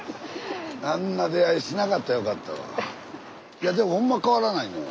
いやでもほんま変わらないよ。